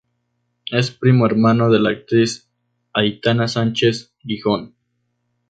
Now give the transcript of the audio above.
Es primo hermano de la actriz Aitana Sánchez-Gijón.